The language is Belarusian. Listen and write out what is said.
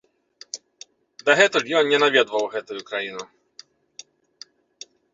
Дагэтуль ён не наведваў гэтую краіну.